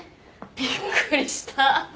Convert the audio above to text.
びっくりした。